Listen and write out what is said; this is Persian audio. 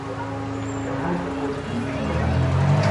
به حرف خود ایستادن